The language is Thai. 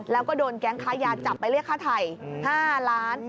แล้วก็โดนแก๊งค้ายาจับไปเรียกค่าไทย๕ล้าน